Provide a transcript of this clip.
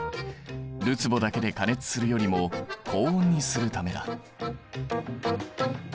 るつぼだけで加熱するよりも高温にするためだ。